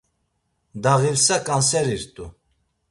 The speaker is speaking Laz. Dağilsa ǩanserirt̆u.